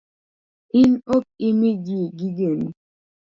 In ok imi ji gigeni?